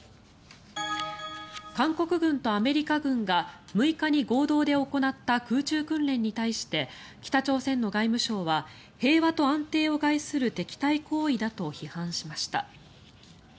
韓国軍とアメリカ軍が６日に合同で行った空中訓練に対して北朝鮮の外務省は平和と安定を害する敵対行為だと批判しました。